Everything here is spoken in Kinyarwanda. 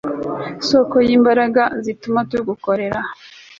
soko y'imbaraga zituma tugukorera